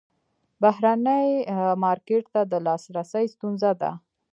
بهرني مارکیټ ته نه لاسرسی ستونزه ده.